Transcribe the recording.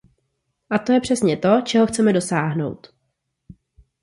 A to je přesně to, čeho chceme dosáhnout.